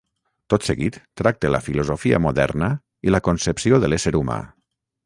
Tot seguit, tracte la filosofia moderna i la concepció de l'ésser humà.